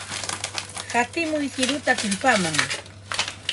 Hatimuy qiruta tullpaman.